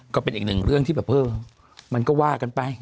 ก็เป็นอีกหนึ่งเรื่องที่แบบมันก็ว่ากันไป